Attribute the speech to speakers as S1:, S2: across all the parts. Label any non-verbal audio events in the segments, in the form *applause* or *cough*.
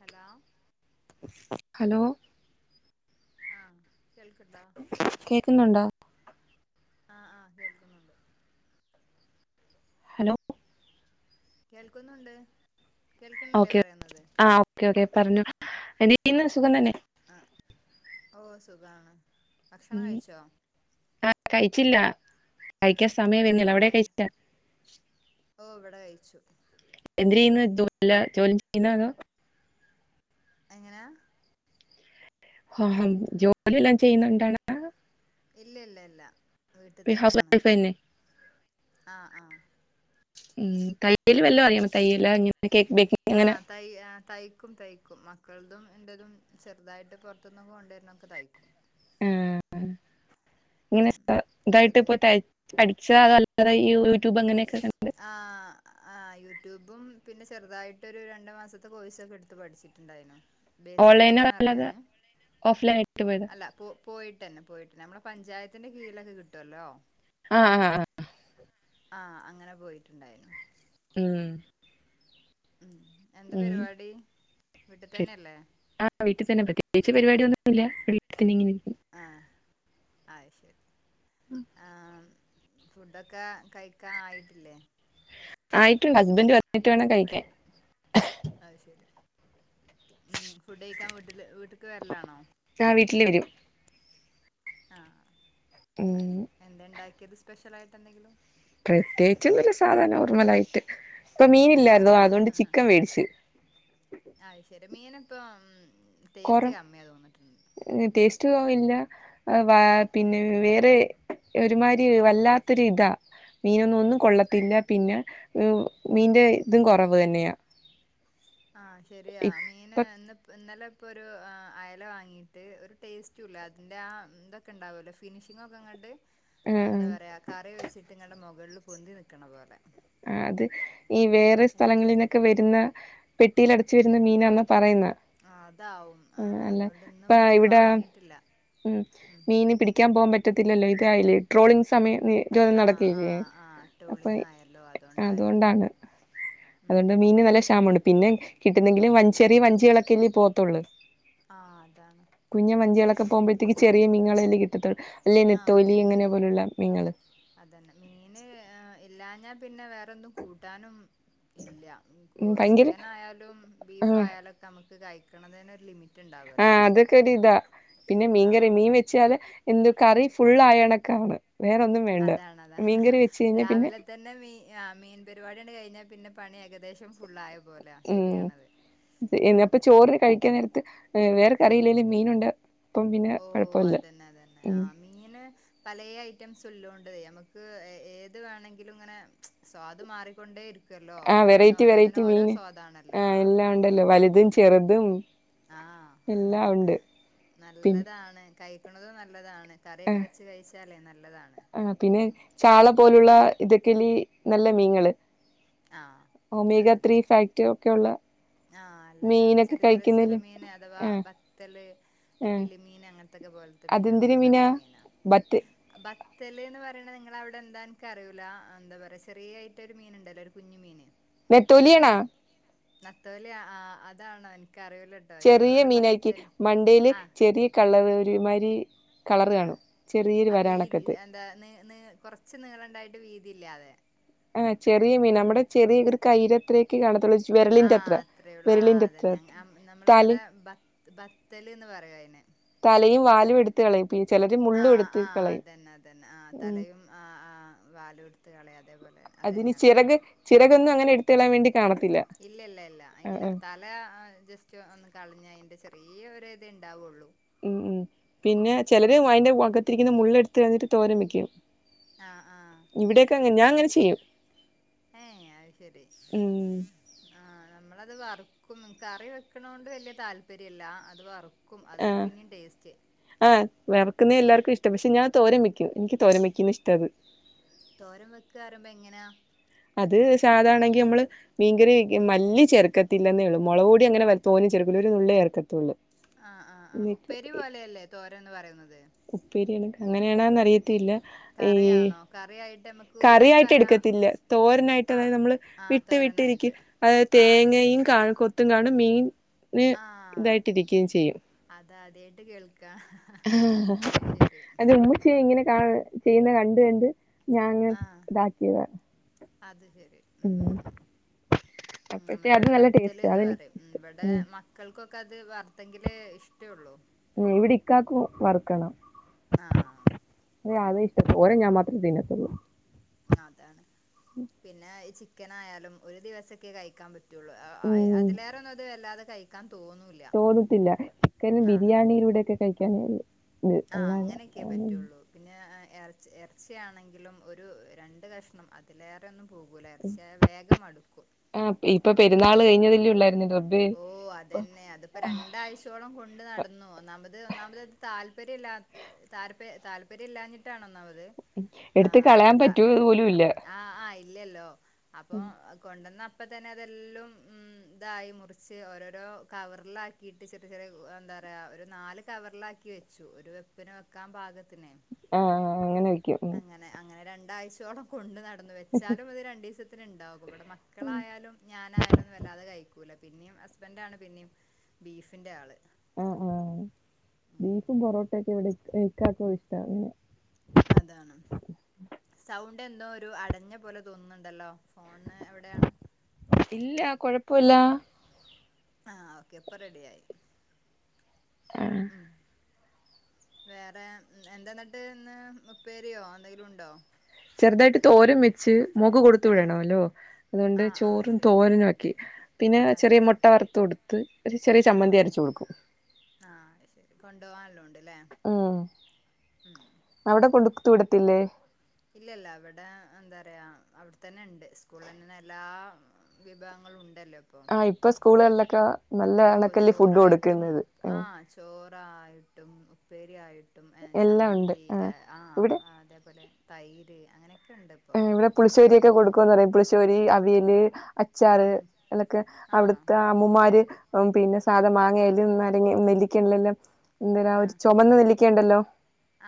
S1: Hello
S2: hello
S1: ആഹ
S2: കേക്കുന്നുണ്ടോ
S1: ആഹ ആഹ കേൾക്കുന്നുണ്ട്
S2: ഹലോ
S1: കേൾക്കുന്നുണ്ട് കേൾക്ക്ണില്ലേ
S2: ഓക്കെ
S1: പറയുന്നത്
S2: ആ ഓക്കേ ഓക്കെ പറഞ്ഞു എന്ന് സുഖം തന്നെ
S1: ആ ഓ സുഖാണ് ഭക്ഷണം
S2: ഉം
S1: കഴിച്ചോ
S2: ആ കഴിച്ചില്ല കഴിക്കാൻ സമയം വരുന്നില്ല അവിടെ
S1: ഏഹ്
S2: കഴിച്ച
S1: ഓ ഇവിടെ കഴിച്ചു
S2: എന്ത് ചെയ്യുന്നു ഇതുല്ല *unintelligible* ജോലി ചെയ്യുന്ന അതോ
S1: എങ്ങനാ
S2: ആഹ ജോലി വല്ലോം ചെയ്യുന്നുണ്ട് ടാ
S1: ഇല്ല ഇല്ല ഇല്ല വീട്ടിൽ
S2: ഹൗസ്
S1: തന്നെയാണ്
S2: വൈഫ് തന്നെ
S1: ആഹ ആഹ
S2: ഉം തയ്യലിൽ വല്ല അറിയോ തയ്യല
S1: ആ് തൈ ആ തയ്ക്കും തയ്ക്കും മക്കളതും എന്തതും *unintelligible* ചെറുതായിട്ട് പുറത്തുന്നൊക്കെ കൊണ്ടരുന്നൊക്കെ തയ്ക്കും
S2: ആ ഇങ്ങനെ
S1: ഉം
S2: ഇതായിട്ട്
S1: ചെറിയ
S2: ഇപ്പൊ *unintelligible* പക്ഷെ അതല്ലാതെ യൂട്യൂബ് അങ്ങനെയൊക്കെ കണ്ട്
S1: ആ യൂട്യൂബും പിന്നെ ചെറുതായിട്ട് ഒരു രണ്ടു മാസത്തെ കോഴ്സ് ഒക്കെ എടുത്ത് പഠിച്ചിട്ടുണ്ടായിനു. ബേസിക്
S2: ഓൺലൈനോ
S1: ആയിട്ടൊന്ന്
S2: അല്ലാതെ
S1: അറിയാന്
S2: ഓഫ്ലൈൻ ആയിട്ട് പോയതാ
S1: അല്ല പോ പോയിട്ട്ന്നെ പോയിട്ട് പിന്നെ നമ്മളെ പഞ്ചായത്തിന്റെ കീഴിലൊക്കെ കിട്ടുവല്ലോ?
S2: ആ ആ
S1: ആഹ അങ്ങനെ പോയിട്ടുണ്ടായിരുന്നു.
S2: ഉം
S1: ഉം എന്താ
S2: ഉം
S1: പരിപാടി വീട്ടിൽ തന്നെയല്ലേ
S2: ആ വീട്ടിൽ തന്നെ. പ്രത്യേകിച്ച് പരിപാടിയന്നുമില്ല വീട്ടിൽ തന്നെ ഇങ്ങനെ യ
S1: ആഹ അത് ശരി.
S2: ഉം
S1: ആഹ് ഫുഡൊക്കെ കഴിക്കാൻ ആയിട്ടില്ലേ?
S2: ആയിട്ടുണ്ട് ഹസ്ബൻഡ് വന്നിട്ട് വേണം കഴിക്കാൻ.
S1: അത് ശരി ഉം ഫുഡ് കഴിക്കാൻ വീട്ടില് വീട്ടക്ക് വരലാണോ?
S2: ആ വീട്ടിൽ വരും
S1: ആഹ
S2: ഉം,
S1: എന്താ ഉണ്ടാക്കിയത് സ്പെഷ്യൽ ആയിട്ട് എന്തെങ്കിലും
S2: പ്രത്യേകിച്ചു ഒന്നുല്ല സാധാ നോർമലയിട്ട്.
S1: ആഹ് അത് ശരി. മീനിപ്പം
S2: കുറ
S1: ടേസ്റ്റ് കമ്മിയാ തോന്നിട്ടുണ്ട്
S2: ടെസ്റ്റുവോല്ല. വ
S1: ഉം
S2: പിന്നെ വേറെ ഒരുമാരി വല്ലാത്തൊരു ഇതാ മീനൊന്നും
S1: ആഹ്
S2: കൊള്ളത്തില്ല പിന്നെ മീന്റെ ഇതും കൊറവ് തന്നെയാ.
S1: ആഹ് ശരിയാ. മീന്
S2: ഇപ്പൊ
S1: ഇന്നിപ്പോ ഇന്നലെ പ്പൊരു ഒരു അയല വാങ്ങിയിട്ട് ഒരു ടേസ്റ്റ് ഇല്ല അതിൻ്റെ ആ ഇതൊക്കെ ഉണ്ടാവുമല്ലോ ഫിനിഷിങ്ങൊക്കെ ഇങ്ങട്ട്
S2: ഉം,
S1: എന്താ പറയാ കറി വെച്ചിട്ട് ഇങ്ങനെ മുകളില് പൊന്തി നിൽക്കണ പോലെ
S2: ആ അത് ഈ വേറെ സ്ഥലങ്ങളിൽ
S1: അതാക്കളെ
S2: നിന്നൊക്കെ വരുന്ന പെട്ടിൽ അടച്ചു
S1: ഉം
S2: വരുന്ന മീനാന്നാ പറയുന്ന
S1: ആ അതാവും ആ
S2: ആഹ് അല്ല
S1: അതുകൊണ്ട് ഇന്ന്
S2: ഇപ്പ
S1: മീന്
S2: ഇവിടെ
S1: വാങ്ങീട്ടില്ല.
S2: ഉം മീന് പിടിക്കാൻ പോകാൻ പ പറ്റത്തില്ലല്ലോ ഇതായില്ലേ ട്രോളിങ് സമയം നിരോധനം
S1: ആഹ്
S2: നടക്കല്ലേ
S1: ആഹ് ആഹ്
S2: അപ്പൊ
S1: ട്രോളിങ് ആയല്ലോ അതുകൊണ്ടായിരും
S2: അതുകൊണ്ടാണ്
S1: ഉം
S2: അതുകൊണ്ട്
S1: ഉം
S2: മീന് നല്ല ക്ഷാമം ആണ്. പിന്നെ കിട്ടുന്നെങ്കിലും വഞ്ചി ചെറിയ വഞ്ചികളൊക്കെല്ലേ പോവത്തുള്ളൂ.
S1: ആഹ അതാണ്.
S2: ഒക്കെ പോവുമ്പത്തക്ക് ചെറിയ മീനുകളെല്ലേ കിട്ടത്തുള്ളു.
S1: ആഹ് മീൻ. അതന്നെ മീന് ഇല്ലാഞ്ഞാ പിന്നെ വേ ഒന്നും കൂട്ടാനും ഇല്ല.
S2: ഭയങ്കര
S1: ചിക്കൻ ആയാലും ബീഫ്
S2: ആഹ്
S1: ആയാലൊക്കെ നമക്ക് കഴിക്കണതിന് ഒരു ലിമി
S2: ആഹ അതൊക്കെരിത പിന്നെ മീൻ
S1: ആഹ്
S2: കറിയ മീൻ വെച്ചാല് ഇന്ന് കറി ഫുള്ളായണക്കാണ്.
S1: അതാണതാ ഹ ഹ
S2: കഴിഞ്ഞാൽ പിന്നെ
S1: രാവിലെ തന്നെ മീ മീൻ പരിപാടിയാണ്ട് കഴിഞ്ഞാൽ പിന്നെ പണി ഏകദേശം ഫുള്ളായ പോലെയാ.
S2: ഉം
S1: ശരിയാണത്. ഉം
S2: അപ്പൊ ചോറ് കഴിക്കാൻ നേരത്ത് വേറെ കറിയില്ലേലും മീനുണ്ട്. അപ്പം പിന്നെ
S1: ഓ
S2: കുഴപ്പമില്ല
S1: അതന്നെ അതന്നെ
S2: ഉം
S1: ആഹ മീന് പല ഐറ്റംസുലോ നമക്ക് ഏത് വേണമെങ്കിലും ഇങ്ങനെ മച്ച് സ്വാദ് മാറിക്കൊണ്ടേരി
S2: ആഹ വെറൈറ്റി വെറൈറ്റി മീൻ
S1: സ്വാദാണല്ലോ
S2: ആ എല്ലാം
S1: അതാണ്
S2: ഉണ്ടല്ലോ വലുതും ചെറുതും. എല്ലാം
S1: ആഹ്
S2: ഉണ്ട്. പിന്നെ
S1: നല്ലതാണ് കഴിക്കണതും നല്ലതാണ്
S2: ആ
S1: കറിയൊക്കെ വെച്ച് കഴിച്ചാലേ നല്ലതാ.
S2: ആ പിന്നെ ചാള പോലുള്ള ഇതൊക്കെല്ലേ നല്ല മീങ്ങള്.
S1: ആഹ്
S2: ഒമേഗ ത്രീ ഫാക്ട് ഒക്കെള്ള.
S1: ആഹ നല്ലതാണ് ചെറു ചെറു ചെറുമീന് അഥവാ
S2: ആ
S1: ബത്തല്
S2: ആ
S1: കിളിമീൻ അങ്ങനെ ത്തക്ക പോലത്തെ മീനേളൊക്കെ നല്ല മീനാ.
S2: ബറ്റ്
S1: ബത്തല്ന്ന് പറയണത് നിങ്ങളവി ഇഎന്താ എനിക്കറിയൂല എന്താ പറയാ ചെറിയായിട്ട് ഒരു മീൻ ഇണ്ടല്ലോ ഒരു കുഞ്ഞു മീന്
S2: നെത്തോലിയാണോ?
S1: നത്തോലെ ആ അതണോ?
S2: ചെറിയ മീനക്കി മണ്ടയില്
S1: ആഹ്
S2: ചെറിയ കളർ ഒരുമാതിരി. കളർ
S1: ആ
S2: കാണും ചെറിയൊരു
S1: അതീ
S2: വരാണക്കത്ത്
S1: എന്താ നി നി കൊറച്ച് നിളണ്ടായിട്ട് വീതിയില്ലാതെ.
S2: ആ ചെറിയ മീൻ നമ്മടെ ചെറിയ ഇർ കൈരത്രേക്കെ കണതൊള്ളൂ
S1: ആ അത്രേയൊള്ളൂ ആ അതന്നെ
S2: തല
S1: നമ്മള്ളിവിടെ ബത് ബത്തല്ന്ന് പറയു അയ്ന്.
S2: തലയും വാലും എടുത്
S1: ആ ആ അതെന്നെ അതന്നെ ആ
S2: ഉം
S1: തലയും ആ ആ വാലും എടുത്ത് കളയാ
S2: അതിന് ചിറക് ചിറകൊന്നും അങ്ങനെ എടുത്തളയാൻ വേണ്ടി കാണത്തില്ല ആ അ
S1: ആ ആ ജസ്റ്റ് ഒന്ന് കളഞ്ഞ അയിന്റെ ചെറിയ ഒര് ഇത് ഇണ്ടാവൊള്ളൂ.
S2: മം മം പിന്നെ ചിലര് അയിന്റെ അകത്തിരിക്കുന്ന മുള്ള് എടുത്ത് കളഞ്ഞിട്ട് തോരം വെക്കും.
S1: ആ ആ
S2: ഇവിടൊക്കെ അങ്ങനെ ഞാൻ അങ്ങനെ ചെയ്യും.
S1: ഏ അഹ് ശെരി
S2: ഉം
S1: ആ നമ്മളത് വറുക്കും കറി വെക്ക്ണൊണ്ട് വെല്ല്യ താല്പര്യല്ല അത് വർക്കും. ക്കും
S2: ആ
S1: അതാണ് പിന്നിം ടേസ്റ്റ്.
S2: ആ വെർക്കുന്നേ
S1: ഉം
S2: എല്ലാർക്കും ഇഷ്ടം പക്ഷെ ഞാൻ തോരം വെക്കും ഇൻക്കി തോരൻ വെക്കുന്നതാ ഇഷ്ട്ടത്.
S1: തോരം വെക്കാറിയുമ്പോ എങ്ങനെയാ?
S2: അത് സാധാണെങ്കി മ്മള് മീൻങ്കറി വെക്യും
S1: ഉം
S2: മല്ലി ചെർക്ക ത്തില്ലെന്നേള്ളൂ മുളക്പോടി അങ്ങനെ തോനെ ചേർക്കൂല ഒരു നുള്ള് ചേർക്കാതേയുള്ളു.
S1: ആ ആ ആഹ് ഉപ്പേരി പോലെയല്ലേ തോരൻന്ന് പറയുന്നത്.
S2: അങ്ങനെയാണോന്ന് അറിയത്തില്ല. ഈ
S1: കറിയാണോ കറിയായിട്ട് അമ്മക്ക് ഒഴിച്ച്
S2: കറിയായിട്ട്
S1: പാരാ
S2: എടുക്കത്തില്ല തോരനായിട്ട്
S1: ആഹ്
S2: അതായത് നമ്മള്
S1: ആഹ്
S2: വിട്ട് വിട്ടിരിക്
S1: തോരനായിട്ട്
S2: അതായത്
S1: ആഹ് വിട്ട്
S2: തേങ്ങയും
S1: വിട്ട്
S2: കാ കൊത്തും കാണും മീൻ ന്ന് ഇതായിട്ടിരിക്ക്യും ചെയ്യും.
S1: അതാ അതായിട്ട് കേൾക്കാ അഹ് ശെ രി.
S2: ദാ ചെയ്യുന്ന കണ്ട് കണ്ട് ഞാൻങ്ങനെ
S1: ആഹ്
S2: ഇതാക്കിയത
S1: അത് ശെ *unintelligible*
S2: *inaudible* അപ്പഴത്തെ അത്
S1: നമ്മളിവിടെ
S2: നല്ല ടേസ്റ്റാ
S1: ബത്തല്ന്ന്
S2: അതെനിക്ക്
S1: പറയും
S2: ഇഷ്ടം
S1: ഇവടെ മക്കൾക്കൊക്കെ അത് വർത്തെങ്കിൽ ഏ ഇഷ്ട്ടേള്ളു.
S2: ഏ ഇവിടെ ഇക്കാക്കും വെറുക്കണം
S1: ആഹ്
S2: നെ അദ്യയി കോര ഞാൻ മാത്രമേ തീന്നത്തൊള്ളൂ.
S1: അതാണ് പിന്നെ ഈ ചിക്കൻ ആയാലും ഒരു ദിവസൊക്കെ കഴിക്കാൻ പറ്റു *unintelligible* അ
S2: ഉം
S1: അതിലേറെന്നും അത് വല്ലാതെ കഴിക്കാൻ തോന്നൂല്ല
S2: തോന്നത്തില്ല ചിക്കന്
S1: ആ അതെ
S2: ബിരിയാണിയിലൂടെ ഒക്കെ കഴിക്കാനേ ഒള്ളൂ.
S1: ആ അങ്ങനെയൊക്കെ പറ്റുള്ളൂ പിന്നെ എർച്ചി ർച്ചിയാണെങ്കിലും ഒരു രണ്ട് കഷ്ണം അതിലേറെ ഒന്നും പോകൂ എർച്ചിയായ വേഗം മട്ക്കും.
S2: ആ ഇപ്പൊ *unintelligible* റബ്ബേ
S1: ഓ
S2: ഇപ്പ
S1: അതെന്നെ അതിപ്പോ രണ്ടാഴ്ചയോളം കൊണ്ട് നടന്നു. ഒന്നാമത് ഒന്നാമത് അത് താല്പര്യം ഇല്ലാ. താല്പര്യം. താല്പര്യം. ഇല്ലാഞ്ഞിട്ടാണ് ഒന്നാമത്. ആ
S2: എടുത്ത് കളയാൻ
S1: ത
S2: പറ്റോ അതു പോലുമില്ല.
S1: ആ ആ ഇല്ലല്ലോ അപ്പൊ കൊണ്ടന്നപ്പോ തന്നെ അതെല്ലും മ് ഇതായി മുറി ച്ച് ഓരോരോ കവറിലാക്കിട്ട് ചെറിയ ചെറ എന്താ പറയ ഒരു നാല് കവറിലാക്കി വെച്ചു ഒര് പിന്നെ വെക്കാൻ. പാകത്തിനെ
S2: ആഹ് അങ്ങനെ വെയ്
S1: അങ്ങനെ. അങ്ങനെ. രണ്ടാഴ്ചയോളം കൊണ്ട് നടന്നു. വെച്ചാലും അത് രണ്ടു ദിവസത്തിന്ണ്ടാവും. ഇവിടെ മക്കളായാലും. ഞാനായാലും. ന്നു വല്ലാതെ കഴിക്കൂല. പിന്നെയും ഹസ്ബന്റാണ് പിന്നിം ബീഫിൻ്റെ ആൾ.
S2: ആ ആ ബീഫും പൊറോട്ടൊക്കെ ഇവിടെ എക്കാക്ക് ഇഷ്ടാണ്.
S1: അതാണ് സൗണ്ട് എന്തോ ഒരു അടഞ്ഞ പോലെ തോന്നുന്നുണ്ടല്ലോ. ഫോണ് എവിടെയാണ്.
S2: പുലാ
S1: ആ ഓക്കെ ഇപ്പൊ റെഡി ആയി.
S2: ആ
S1: വേറെ എന്താന്നിട്ട് ഇന്ന് ഉപ്പേരിയോ എന്തെങ്കിലും ഉണ്ടോ?
S2: ചെറുതായിട്ട് തോരം വെച്ച് മോൾക്ക് കൊടുത്തു
S1: ഉം
S2: വിടണോല്ലോ. അതുകൊണ്ട്
S1: ആഹ് ആഹ്
S2: ചോറും
S1: ശരി
S2: തോരനും ആക്കി. പിന്നെ
S1: ആഹ്
S2: ചെറിയ
S1: ശരി
S2: മുട്ട വറുത്ത് കൊടുത്ത്. ഒരു ചെറിയ ചമ്മന്തി അരിച്ചു കൊടുക്കും.
S1: ആ ശരി കൊണ്ടോവാനുല്ലോണ്ട്. ല്ലേ
S2: ഉം അവിടെ കൊട്ത്ത് വിടത്തില്ലേ.
S1: ഇല്ല ഇല്ല ഇവിടെ എന്താറിയാ അവിടെ തന്നെ ഉണ്ട് സ്കൂളിൽ തന്നെ എല്ലാ വിഭവങ്ങളും ഉണ്ട്.
S2: ആ ഇപ്പൊ സ്കൂളുകളില്ലൊക്കെ നല്ല
S1: ഓ
S2: അണക്കല്ലി ഫുഡ് കൊടുക്കുന്നത്.
S1: റായിട്ടും ഉപ്പേരി ആയിട്ടും എ
S2: എല്ലാം ഉണ്ട്
S1: ചമ്മന്തി
S2: ആഹ്
S1: ആ
S2: ഇവിടെ
S1: അതേപോലെ തൈര് അങ്ങനെകെ
S2: ഇവിടെ പുളിശ്ശേരി ഒക്കെ കൊടുക്കുന്ന് പറയും. പുളിശ്ശേരി അവിയല്
S1: ഉം
S2: അച്ചാറ്
S1: ഉം
S2: അതൊക്കെ
S1: ആ
S2: അവിടുത്തെ അമ്മുമാര് പിന്നെ സാധം *unintelligible* മാങ്ങിയലരങ്ങി നെല്ലിക്കണെല്ലാം എന്ത
S1: ആ
S2: ഒരു ചുമന്ന നെല്ലി കൃണ്ടല്ലോ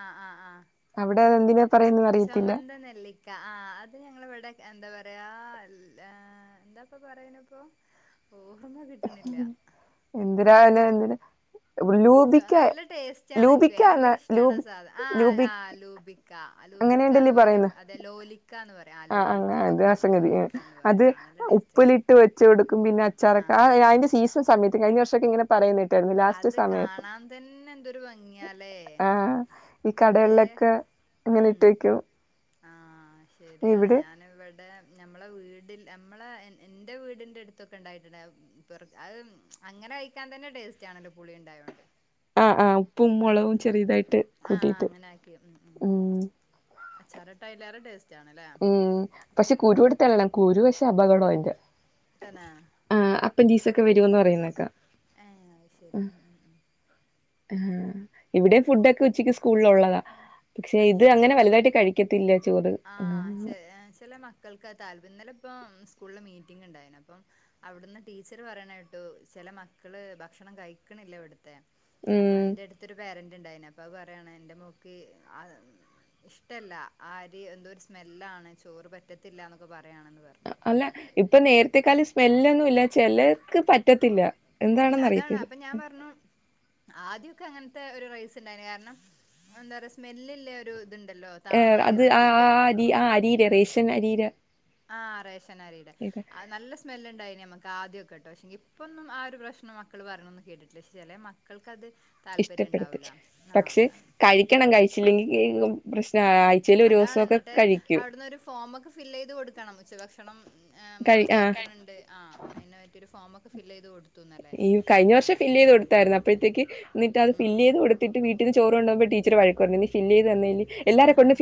S1: ആ ആ ആ
S2: അവിടെ അതെന്തിനാ പറയന്നും അറിയത്തില്ല.
S1: ചുമന്ത നെല്ലിക്ക ആ അത് ഞങ്ങള ഇവിടെ എന്താ പറയാ എന്താപ്പ പറയണപ്പൊ
S2: എന്തിനതിനാവന *unintelligible* എന്തിന്
S1: നല്ല ടേസ്റ്റാആണ്. എനിക്ക്
S2: ലൂബിക്ക എന്ന
S1: ഭയങ്കര ഇഷ്ടമാണ് ആ
S2: ലൂബി
S1: സാധനം ആ
S2: ലൂബി
S1: ആംലൂബി ആ ലൂബിക്കാന്ന് പറയും അതെ ലോലി
S2: ആ ആ അത് ആസഗതി അത്
S1: പറയും ആ നല്ല ടേസ്റ്റാ
S2: ഉപ്പിലിട്ട് വെച്ച കൊടുക്കും പിന്നെ അച്ചാറൊക്കെ ആ അതിന്റെ സീസൺ സമയത്ത് കഴിഞ്ഞ വർഷൊക്കെ ഇനെ പറയുന്നുക
S1: അത് കാണാൻ തന്നെ എന്തൊരു ഭംഗിയാലേ
S2: ആഹ് ഈ
S1: അതേ
S2: കടകളിലൊക്കെ ഇങ്ങനെ
S1: ഉം
S2: ഇട്ട്വൈ ക്കോ
S1: ആ ശരിയാണ് ഞാന് ഇവിടെ നമ്മളെ വീട് നമ്മളെ എന്റെ വീടിന്റെ അടുത്തൊക്കെ ഉണ്ടായിട്ടുണ്ട് അത് അങ്ങ കഴിക്കൻ തന്നെ ടേസ്റ്റ് ആണല്ലോ പുളി ഉണ്ടായതോണ്ട്
S2: ആ ആ ഉപ്പും മുളവും ചെറിയതായിട്ട്
S1: ആ
S2: കൂട്ടിയിട്ട് ഉം
S1: അച്ചാറിട്ടാൽ അയിലാറെ ടേസ്റ്റ
S2: ഉം പക്ഷെ കുരുടുത്തളയണം കുരു ക്ഷെ അപകടം അതിന്റെ
S1: തന്നെ
S2: ഇതൊക്കെ വരോന്ന് പറയുന്നേക്ക
S1: എ ശരി ഉ ഉ ഉ
S2: ആ ഹാം ഇവിടെ ഫുഡൊക്കെ ഉച്ചക്ക് സ്കൂളിൽ ഉള്ളതാ പക്ഷെ
S1: അത്
S2: ഇത്
S1: ശരി
S2: അങ്ങനെ വലുതായിട്ട് കഴിക്കത്തില്ല. ചോറ്
S1: ആ ചെ ചില മക്കൾക്ക് *unintelligible* ഇന്നലെ ഇപ്പം സ്കൂളില് മീറ്റിംഗ് ഉണ്ടായിനു. അപ്പം അവിടുന്ന് ടീച്ചർ പറയാണേട്ടു ചില മക്ക മക്കള് ഭക്ഷണം കഴിക്കണില്ല. ഇവിടുന്ന അതെ അപ്പൊ
S2: ഉം
S1: ന്റെ അടുത്തരു പേരന്റ് ഉണ്ടായിനു. അപ്പൊ അത് പറയാണ്. എന്റെ മോൾക്ക്. അ ഇഷ്ടല്ല ആരി എന്തോ ഒരു സ്മെല്ലാണ്. ചോറ് പറ്റത്തില്ല. എന്നൊക്കെ പറഞ്ഞു. പറയാണെന്ന്
S2: ഇത്തെക്കാല് സ്മെല്ലൊന്നും ഇല്ല ചിലർക്ക് പറ്റത്തില്ല.
S1: ഉ
S2: എന്താണെന്ന്
S1: അതാണ്
S2: അറിയത്തില്ല
S1: അപ്പൊ ഞാൻ പറഞ്ഞു. ആദ്യം ക്ക് അങ്ങനത്തെ ഒരു റൈസ് ഉണ്ടായിരുന്നു. കാരണം എന്താ പറ സ്മെല്ല് ല്ലേ ഒരു ഇതുണ്ടല്ലോ
S2: ഏ
S1: താന്ന അരി
S2: അത് ആ
S1: നോക്കിയിട്ട്
S2: ആ അരി ആ അരിയില റേഷ്യൻ അരിയിലെ
S1: ആ റേശനാരിടെ നല്ല സ്മെല്ല് ഉണ്ടായിന് നമ്മക്ക്. ആദ്യമൊക്കെട്ടോ? ഇപ്പോന്നും ആ ഒരു പ്രശ്നം മക്കൾ പറയ്ണൊന്നും കേട്ടിടില്ല. ക്ഷേ ചില മക്കൾക്കത്. താല്പര്യം
S2: ഇഷ്ടപ്പെടുത്ത്
S1: ഉണ്ടാവൂല ആഹ്
S2: പക്ഷെ
S1: അതാണ്
S2: കഴിക്കണം. കഴിച്ചില്ലെങ്കി *unintelligible* പ്രശ്ന- ആഴ്ചേൽ ഒരു
S1: അതാണ്
S2: ദിവസക്കെ
S1: എന്നിട്ട്
S2: കഴിക്കും.
S1: അവിടുന്നൊരു ഫോമൊക്കെ ഫില്ല് എയ്ത് കൊടുക്കണം. ഉച്ചഭക്ഷണം എ
S2: കഴി
S1: മോള്
S2: ആഹ്
S1: കഴിക്കണ് ണ്ട്. ആ അയ്ന് പറ്റിഒരു ഫോമക് ഫില്ല്യ്ത് കൊടു
S2: ഈ കഴിഞ്ഞ വർഷം ഫില്ല് ചെയ്ത് കൊടുത്തായിരുന്നു. അപ്പോഴത്തേക്ക് ന്നിട്ട് അത്
S1: ഉം
S2: ഫില്ലീത് കൊടുത്തിട്ട് വീട്ടിൽ ചോറണ്ടോകുമ്പോമോ ടീച്ച ർ വഴക്കുപറഞ്ഞു. നീ ഫില്ലീ ത് തന്നേന്
S1: ഹ ഹ ഹ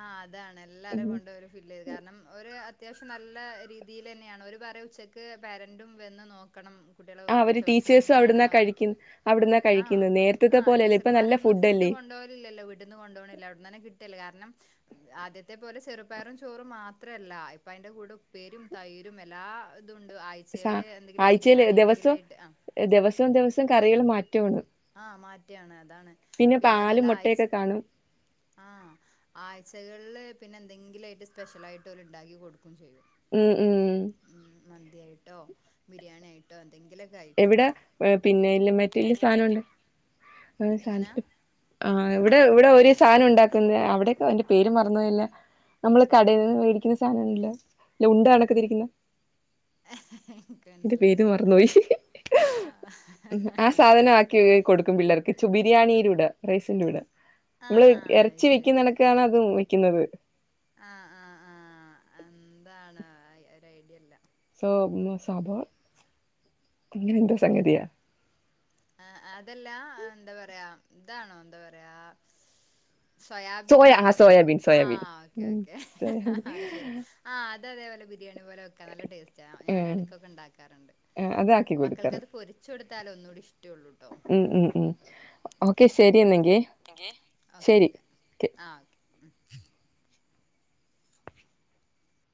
S1: അ അതാണ്
S2: ഉം
S1: എല്ലാരും കൊണ്ട് ഫില്ല്യ്ത് കാരണം. ഒരു അത്യാവശ്യം നല്ല രീതിയില് തന്നെണ്. ഒരുപറയും ഉച്ചക്ക് പേരന്റും വന്ന് നോക്കണം. കുട്ടി ആളെ
S2: ആഹ്
S1: ഉച്ച
S2: അവര്
S1: ഭക്ഷണം
S2: ടീച്ചേഴ്സും
S1: എങ്ങനെ ആണ്
S2: അവിടുന്നാ
S1: നോക്കാൻ.
S2: കഴിക്കുന്നെ അവിടുന്നാ കഴിക്കുന്നത്
S1: ആആ
S2: നേരത്തത്തെ പോലെയല്ല ഇപ്പൊ
S1: ടീച്ചർമാർ
S2: നല്ല
S1: ഒന്നും ഫുഡ്
S2: ഫുഡല്ലേ
S1: കൊണ്ടോകലില്ലല്ലോ വീട്ടീന്ന് കൊണ്ടൊണില്ല. അവ്ട്നന്നേ കിട്ട്ല്ലേ. കാരണം ആദ്യത്തെ പോലെ ചെറുപയറും ചോറും മാത്രല്ല. ഇപ്പ അതിന്റെ കൂടെ ഉപ്പേരിം, തൈരും, എ എല്ലാ ഇതുണ്ട്
S2: സ
S1: ആഴ്ചയില് എന്തെങ്കിലും.
S2: ആഴ്ചയില്
S1: ബിരിയാണി എന്തെങ്കിലും
S2: ദിവസം
S1: ആയിട്ട്. ആ
S2: ദിവസവും ദിവസം കറികൾ മാറ്റ്
S1: ആഹ മാറ്റആണ് അതാണ് പിന്നെ
S2: പാലും
S1: അതുഅല്ല ആയ്ച്
S2: മുട്ടയൊക്കെ കാണും
S1: ആ ആഴ്ചകളില് പിന്നെ എന്തെങ്കിലുംഅ യിട്ട് സ്പെഷ്യലായിട്ട് ഓല് ഇ ണ്ടാക്കി കൊടുക്കയും ചെയ്യും.
S2: ഉം ഉം
S1: ഉം മ യിട്ടോ ബിരിയാണി ആയിട്ടോ. എന്തെങ്കിലൊക്കെ ആയിട്ട്
S2: എവിടെ പിന്നെ മറ്റ വലയ
S1: മെയിലും
S2: സാാനംണ്ട്
S1: മറ്റും
S2: ആ
S1: എങ്ങനാ
S2: സാനത്തി *unintelligible* ആ എവിടെ എവിടെ ഒരു സാധനം ഉണ്ടാക്കുന്നേ. അവിടെക്കെ അതിന്റെ പേര് മറന്ന് പോയല്ലോ? നമ്മള് കടയിൽ നിന്ന് മേടിക്കുന്ന സാധനംണ്ടല്ലോ? ഇല്ല ഉണ്ട കണക്കെ
S1: എന്താ
S2: തിരിക്കുന്ന
S1: എനിക്ക്
S2: ഇന്റെ പേര്
S1: മനസ്സിലായിട്ടില്ല
S2: മറന്ന് പോയി. ഉ ആ
S1: ആഹ് അത് ശരി
S2: സാധനആക്കി കൊടുക്കും. പിള്ളേർക്ക് ചോ ബിരിയാണിയിലൂ ടെ റൈസിന്റെ കൂടെ.
S1: ആഹ്
S2: മ്മള്
S1: ആഹ് അത്
S2: എറച്ചി
S1: ശരി
S2: വെക്കുന്നടക്കാണ് അതും വെക്കുന്നത്.
S1: ആഹ് ആഹ് ആഹ് എന്താണ് അ ഒരു ഐഡിയ ല്ല.
S2: സോ *unintelligible* സബർ
S1: പിന്നെ അ അതെല്ലാ എന്താ പറയാ ഇതാണോ എന്താ പറയാ സോയാബീൻ
S2: സോയ
S1: ആണോ.
S2: ആ സോയാബീൻ
S1: ആ
S2: സോയാബീൻ
S1: ഓക്കേ
S2: ഉം
S1: ഓക്കേ ഹ ഹ
S2: സോയാബീൻ
S1: അത് ശരി ആ ഇത് അതേപോലെ ബിരിയാണി പോലെ വെക്കൻ നല്ല ടേസ് റ്റാ ആ ഞാൻ
S2: ഉം
S1: എടക്കൊക്കെ ഇ ണ്ടാക്കാറുണ്ട്.
S2: ആ, അതാക്കി
S1: മക്കൾക്ക്
S2: കൊടുക്കാറ്
S1: അത് പൊരിച്ച് കൊടുത്താല ഒന്നൂടി ഇഷ്ട
S2: ഉം ഉം ഉം ഓക്കെ ശരിയ നെങ്കി.
S1: എ ഓക്കേ ഓക്കേ ആ ഓക്കേ.